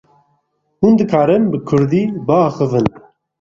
Hûn dikarin bi Kurdî biaxivin?